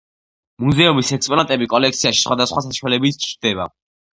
მუზეუმის ექსპონატები კოლექციაში სხვადასხვა საშუალებით ჩნდება.